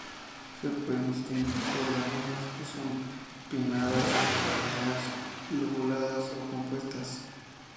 Se pueden distinguir por las hojas que son pinnadas o palmeadas lobuladas o compuestas.